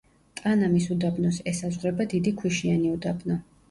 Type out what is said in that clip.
ტანამის უდაბნოს ესაზღვრება დიდი ქვიშიანი უდაბნო.